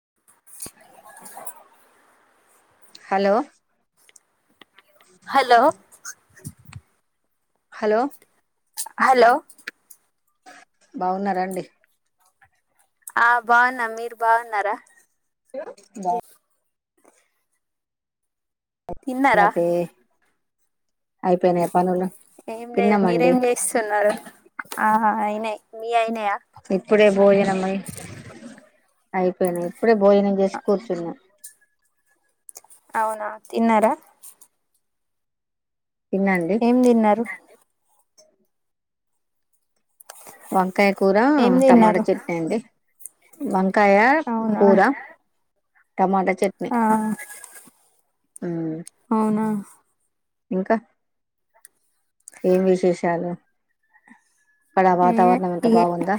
[inaudible] Hello hello hello hello బావున్నారా అండి ఆ బాగున్నా మీరు బాగున్నారా బ [inaudible] తిన్నారా అయిపోయిన ఏం లేదు మీరేం చేస్తున్నారు ఆ అయినయి మీ అయిన ఇప్పుడే భోజనం అయి అయిపోయింది ఇప్పుడే భోజనం చేసి కూర్చున్నా అవునా తిన్నార తిన్నండి ఏం తిన్నారు వంకాయ కూర ఏం టమాటా తిన్నారు చట్నీ అండి వం కయా అవునా పూరా టమాట ఆ ఉమ్ అవునా ఇంకా ఏం విశేషాలు అక్కడ ఏ వాతావరణం ఎంత ఇ బాగుందా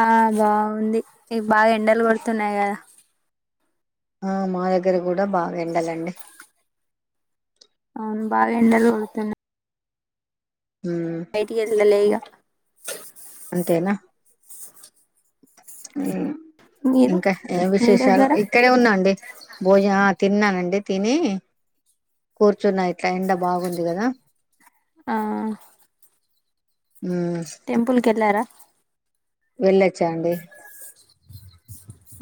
ఆ బాగుంది ఇక బాగా ఎండలు కొడుతున్నాయి కదా ఆ మా దగ్గర కూడా బాగా ఎండలండి అవును బాగా ఎండలు కోడుతున్నాయి ఉమ్ బటికి లేగా అంతేనా అ మీరు ఇంకా ఏం మీ విశేషాలు దగ్గర ఇక్కడే ఉన్నాండి భోజన తిన్నానండి తిని కూర్ కూచున్న ఇట్లా ఎండ బాగుంది కదా మ్మ్ టెంపుల్ కెళ్ళార వెళ్ళొచ్చా అండి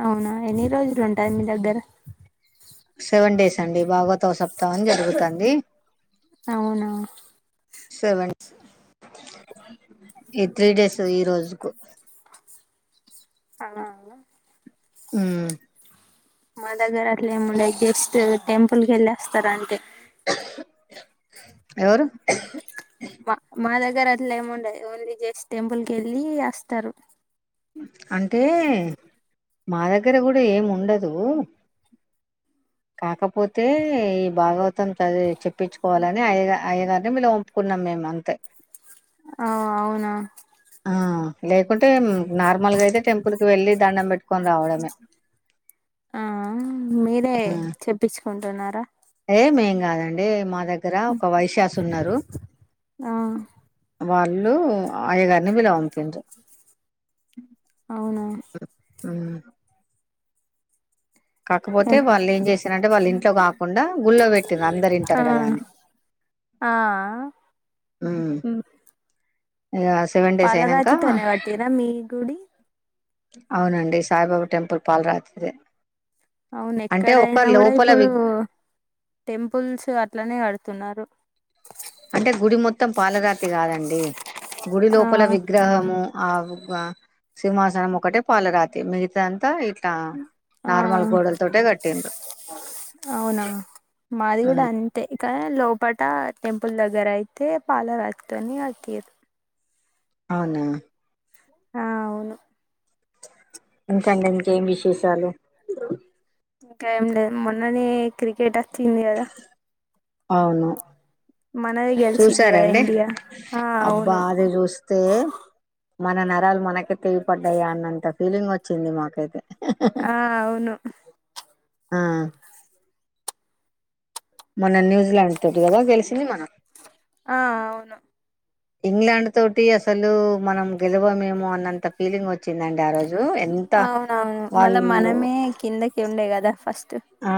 అవునా ఎన్ని రోజులు ఉంటాయి మీ దగ్గర సెవెన్ డేస్ అండి భాగవత సప్తావం జరుగుతాంది అవునవును సెవెన్స ఈ త్రీ డేస్ ఈ రోజుకు అనలా ఊ మా దగ్గర అట్లేం ఉండయి జస్ట్ టెంపుల్ కి ఎల్లి అస్తారు అంతే ఎవరూ మ మా దగ్గర అట్లా ఏముండదు ఓన్లీ జెస్ట్ టెంపుల్ కి వెళ్ళి అస్తారు అంటే మా దగ్గర కూడా ఏమి ఉండదు కాకపోతే ఈ భాగవతం చదివి చెప్పించుకోవాలని అయ్యగ అయ్యగారిని మిళ్ళ వంపుకున్నాం మేము అంతే ఔ అవునా ఆ లేక లేకుంటే నార్మల్గా అయితే టెంపుల్ కి వెళ్ళి దండం పెట్టు కోనుకొని రావడమే ఆ మీరే చెప్పించుకు కోంటున్నారా ఎ మేం కాదండి మా దగ్గర ఒక వైశ్యాస్ ఉన్నారు ఆ వాళ్ళు అయ్యగారిని విలా పంపిన్రు అవునా ఉ కాకపోతే వాళ్ళు ఏం చేసారంటే వాళ్ళు ఇంట్లో కాకుండా గూళ్ళో పెట్టింరు అందరు ఆ ఇంటారు కదా అని ఉమ్ ఇగ సెవెన్ డేస్ అయినాక పాలరాతి తోనే కట్టిర్రా మీ గుడి అవునండి సాయిబాబా టెంపుల్ పాలరాతిదే అంటే ఒక అవునెక్కడైనా కూడా లోపల వి ఇప్పుడు టెంపుల్స్ అట్లనే కడుతున్నారు అంటే గుడి మొత్తం పాలరాతి కాదండి గుడి ఆ లోపల విగ్రహము ఆవుగా సింహాసనం ఒక్కటే పాలరాతి మిగతా అంతా ఇట్లా ఆ నార్మల్ గోడలతోటే కట్టిండ్రు అవునా మాది ఉమ్ కూడా అంతే కా లోపట టెంపుల్ దగ్గర అయితే పాలరాతి తోని కట్టిర్రు అవునా ఆ అవును ఇంకండి ఇంకేం విశేషాలు ఇంక ఏం లేదు మొన్ననే క్రికెట చింది కదా అవును మనది గెలిచింది చూసారా కదా అండి ఇండియా ఆ అబ్బా అవును అది చూస్తే మన నరాలు మనకే తెగి పడ్డాయా అన్నంత ఫీలింగ్ వచ్చింది మాకైతే ఆ అవును ఆ మన ని ఇంగ్లాండ్ తోటి కదా గెలిసింది మనం ఆ అవును ఇంగ్లాండ్ తోటి అసలు మనం గెలవమేమో అన్నంత ఫీలింగ్ వచ్ అవునవును మళ్ళా వాళ్ళు మనమే కిందకి ఉండే కదా ఫస్ట్ ఆ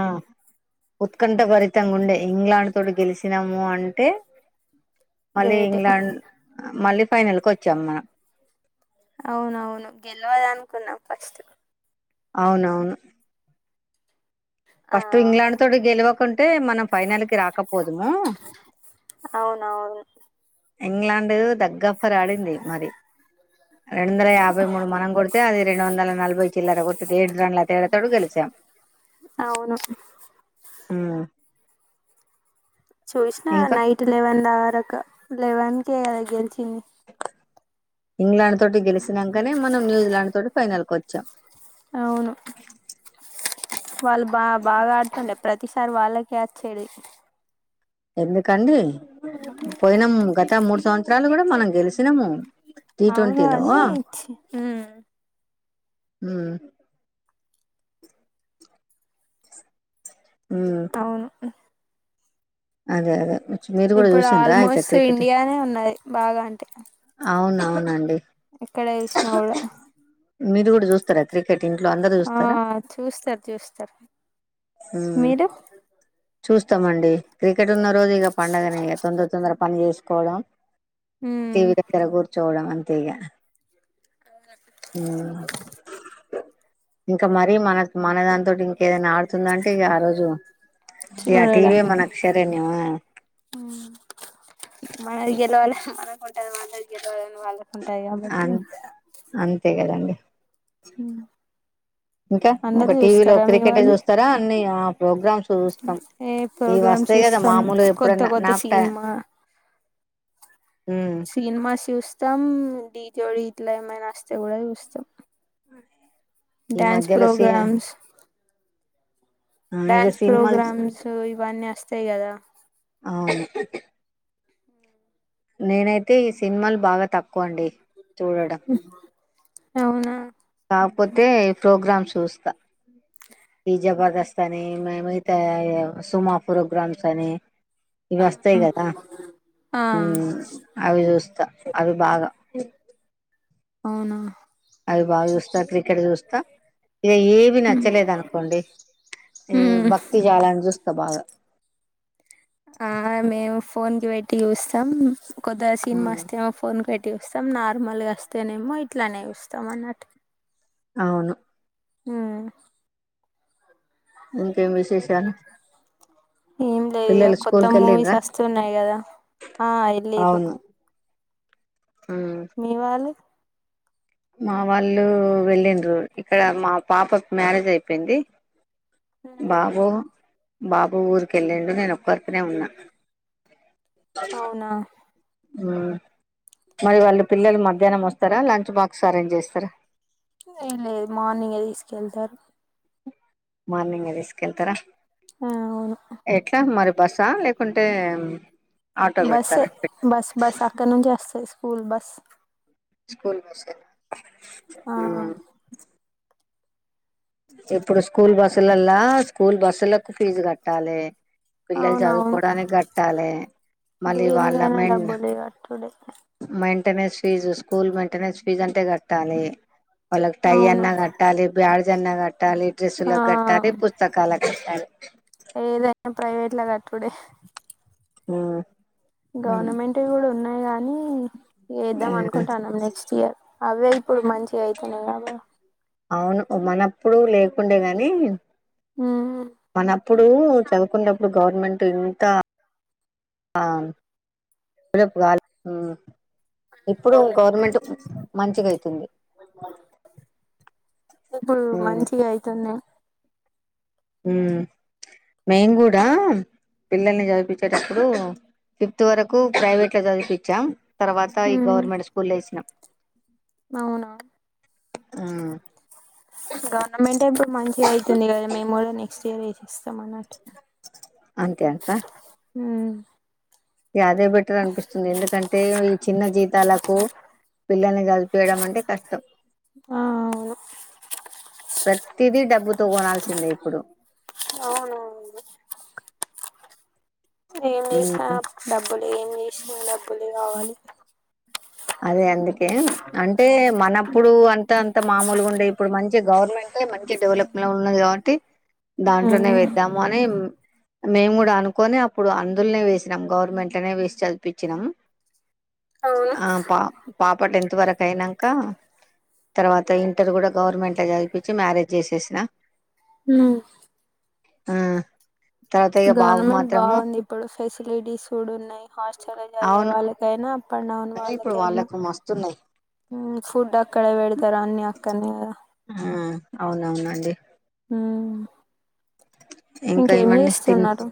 ఉత్కంఠ బరితంగుండె ఇంగ్లాండ్ తోటి గెలిసినాము అంటె టే మళ్ళి గ్రేట్ ఇంగ్లాండ్ మళ్ళి ఫైనల్కొచ్చాం మనం అవునవును గెలవదునుకున్నాం ఫస్ట్ అవునవును ఆ ఫస్ట్ ఇంగ్లాండ్ తోటి గెలవకుంటే మనం ఫైనల్ కి రాకపోదుము అవునవును ఇంగ్లాడు తగ్గఫర్రాడింది మరి రెండు వందల యాభై మూడు మనం కొడితే అది రెండు వందల నలభై చిల్లర కొట్టి ఏడు రండ్ల తేడాతోడు గెలిచాం అవును ఉమ్ చూసిన ఇంకా నైట్ లేెవంద అవరక లేలవన్ క గచిన ఇంగ్లాండ్ తోటి గెలిచినాకనే మనం న్యూజిలాండ్ తోటి ఫైనల్ కు వచ్చాం అవును వాళ్ళు బా బాగా ఆడుతె ప్రతిసారి వాళ్ళకిే వచ్చేది ఎందుకండి పోయినము గత మూడు సంవత్సరాలు కూడా మనం గెలిచినాము అవును అని హమ్ ఉమ్ అవును అదే అదే మీరు కూడా ఇప్పుడు చూసిండ్రా అయితే ఆల్మోస్ట్ క్రికెట్ ఇండియానే ఉన్నది బాగా అంటే అవునవునండి ఎక్కడే విష్ణు కూడా మీరు కూడా చూస్తారా క్రిక ఆ చూస్తారు చూస్తారు ఉమ్ మీరు చూస్తామండి క్రికెట్ ఉన్న రోజు ఇక పంండగనేక తొందర తొందర పని చేస్త కోడం ఉమ్ టీవీ దగ్గర కూర్చోవడం అంతే అంతే ఇగా ఉహు ఇంకా మరీ మన మనదానింతోటి ఇంకా ఏదైనా ఆడుతుందంటే ఇగా ఆ రోజు ఆ టీవీ చూడడమే మనకు శరణ్యం ఉంటది మనది గెలవాలి గాని వాళ్ళ అంత అంతే కదండి హు ఇంకా ఒక టీవీలో క్రికెటే చూస్తారా అన్ని ప్రోగ్రామ్స్ చూస్తాం ఏ ఇవి ప్రోగ్రామ్ వస్తాయి కదా చూస్తాం మామూలు కొత్త ఎప్పుడన్నా కొత్త నాకు టై సినిమా హ్మ్. సినిమా చూస్తాం ఢీ జోడి ఇట్లా ఏమైనా వస్తే కూడా చూస్తాం ఈ డాన్స్ మధ్యలో సి ప్రోగ్రామ్స్ ఇక డ్యాన్స్ సినిమాలు ప్రోగ్రామ్స్ ఇవన్నీ వస్తా వత్తాయి కదా అవును నేనైతే ఈ సినిమాలు బాగా తక్కువ అండి చూడడం అవునా కాకపోతే ప్రోగ్రామ్స్ చూస్తా ఈ జబర్దస్త్ అని మేమైతే సుమా ప్రోగ్రామ్స్ అని ఆ ఇవొస్తాయి కదా ఆ హ్మ్ అవి చూస్తా అవి బాగా అవునా అవి బాగా చూస్తా క్రికెట్ చూస్తా ఇగా ఏమి నచ్చలేదు అనుకోండి ఎ మ్మ్ భక్తి ఛానల్ చూస్తా బాగా ఆ మేము ఫోన్ కి పెట్టి చూస్తాం కొత్త సినిమా వస్తే మా ఫోన్ పెట్ పెట్టి చూస్తాం నార్మల్ గా వస్తేనేమో ఇట్లానే చూస్తాం అన్నట్టు అవును హ్మ్ ఇంకేం విశేషాలు ఏం లేదు ఇగ పిల్లలు కొత్త స్కూల్ కి మూవీస్ వెళ్ళిండ్రా వస్తున్నాయి గదా ఆ ఏల్లీరు అవును మీ వాళ్ళు మా వాళ్ళు వెళ్ళిండ్రు ఇక్కడ మా పాపకి మ్యారేజ్ అయిపోయింది బాబు బాబు ఊరికెళ్ళిండు నేను ఒక్కర్తినే ఉన్నా అవునా హ్మ్ మరి వాళ్ళ పిల్లలు మధ్యాహ్నం వస్తారా లంచ్ బాక్స్ అరేంజ్ చేస్తారా ఏ లేదు మార్నింగే తీసుకెళ్తారు మార్నింగ్ ఏ తీసుకెళ్తార ఆ అవును బస్సా లేకుంటే ఆటో బస్సే పెడతారా బస్ బస్ అక్కడ నుంచి వస్తది స్కూల్ బస్ స్కూల్ బస్సే ఆ మ్మ్ ఇప్పుడు స్కూల్ బస్సులల్లా స్కూల్ బస్సులకు ఫీజు కట్ట పిల్లలు అవునవును చదువుకోవడానికి కట్టాలె మళ్ళీ వాళ్ళ దేనికైనా మెం డబ్బులే కట్టుడే maintenance fees school maintenance fees అంటే కట్టాలి వాళ్ళకి టై అవును అన్నా కట్టాలి బ్యాడ్ జన్న క కట్టాలి ఆ డ్రెస్సులకు కట్టాలి పుస్తకాల కి కట్టాలి ఏదైనా ప్రైవేట్లా కట్టుడే హు గవర్నమెంట్వీ కూడున్నాయ్ గానీ వేద్దాం మ్మ్ అనుకుంటాన్నాం నెక్స్ట్ ఇయర్ అవే ఇప్పుడు మంచిగ అయితున్నాయ్ కబా అవును మనప్పుడు లేకుండే గానీ హుం మనప్ ప్పుడు చదువుకుండేప్పుడు. గవర్నమెంట్ ఇంత అం లప్ గల్ మ్ ఇప్పుడుం గవర్నమెంట్ మంచిగా అయితది ఇప్పుడు ఉమ్ మంచిగా అయితుంద మ్ మేం గుడా పిల్లల్ని చదిపిచేటప్పుడు. ఫిఫ్త్ వరకు ప్రైవేట్లో చదిపించాం తర్వాత ఈ ఉమ్, గవర్నమెంట్ స్కూలేసినం అవునా మ్ గవర్నమెంటె ఇప్పుడు మంచిగా అయితుంది గదా మెమోల్ని చేరేసి ఇస్త మన్నట్టు అంతే అంటారా మ్ యాదే బెటర్ అనిపిస్తుంది. ఎందుకంటే ఈ చిన్న జీతాలకు పిల్లల్ని జదిపియడం అంటే కష్టం ఆ ప్రతిదీ డబ్బుతో కొనాల్సిందే ఇప్పుడు అవునవును ఏం జేసిన ఉమ్ డబ్బుల్ ఏం జేసిన డబ్బులే కావాలి అదే అందుక్ కే అంటే మనప్పుడు అంతంత్ త మామూలుగా ఉండే. ఇప్పుడు మంచిగా గవర్నమెంటె మంచి డెవలప్లో ఉన్నది కాబట్టి దాంట్లోనే ఉమ్ వేద్దాము. అని మేం గుడా అనుకుని అప్పుడు అందుల్నే వేసినాం. గవర్నమెంట్లనే వేసి చదిపించినాం అవును ఆ పా పాప టెన్త్ వరకు అయినంకా. తర్వాత ఇంటర్ గుడా గవర్నమెంట్ల్ చదువుపిచ్చి మ్యారేజ్ జేస్ సిన ఉ ఉ గవర్నమెంట్ బాగుంది ఇప్పుడు ఫెసిలిటీస్ కూడున్నాయ్. హాస్టల్ చదివే అవును వాళ్ళకైనా అప్ అండ్ డౌన్ ఏ ఇప్పుడు వాళ్ళకైనా వాళ్ళకు మస్తున్నాయి ఫుడ్ అక్కడే పెడతారు అన్ని అక్కనే కదా ఆ అవునవునండి ఆ ఇంకా ఇంకేం ఏమండి తిన్ చేస్తున్నారు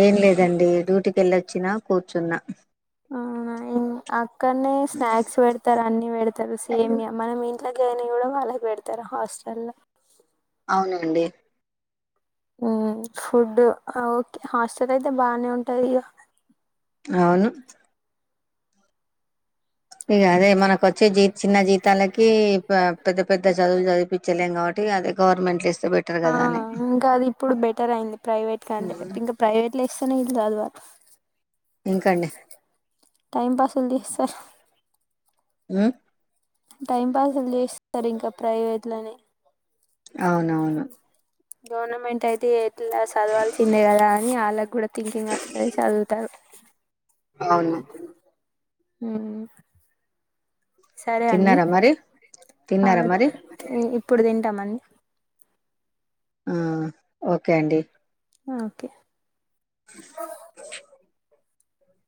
ఏం లేదండి డ్యూటీకి వెళ్ళొచ్చినా కూర్చున్నా ఆ అక్కడనే స్నాక్స్ పెడతారు అన్ని పెడతారు సేమ్యా మనం ఇట్లా చెయ్యనివి కూడా వాళ్ళకి పెడతారు హాస్టల్ లో అవునండి ఉ ఫుడ్ ఓకే హాస్టల్ అయితే బాగానే ఉంటాదిగా అవును ఇక అదే మనకొచ్చే జీ చిన్న జీతాలకి పెద్ద పెద్ద చదువులు చదిపించలేము కాబట్టి అదే గవర్నమెంట్లు ఏస్త ఆ ఇంకా అది ఇప్పుడు బెటర్ అయింది ప్రైవేట్ కంటే హ్మ్. అంటే ఇంకా ప్రైవేట్ అస్సలు ఇది చదువా ఇంకండి టైం పాస్ ఉది సార్ ఉ టైం పాస్ చేస్తారు ఇంకా ప్రైవేట్ లోని అవునవును గవర్నమెంట్ అయితే ఇట్లా చదవాల్సిందే కదా అని వాళ్ళకి కూడా థింకింగ్ వస్తంది చదువుతారు అవును హ సరే అండి తిన్నారా మరి ఆ తిన్నారా మరి ఇప్పుడు తింటామండి ఆ ఓకే అండి ఓకే